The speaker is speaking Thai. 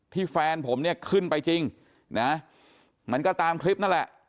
แฟนผมเนี่ยขึ้นไปจริงนะมันก็ตามคลิปนั่นแหละ